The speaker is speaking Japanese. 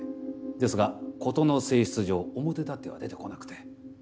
ですが事の性質上表立っては出てこなくて。